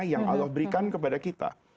yang allah berikan kepada kita